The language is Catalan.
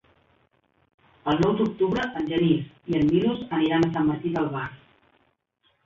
El nou d'octubre en Genís i en Milos aniran a Sant Martí d'Albars.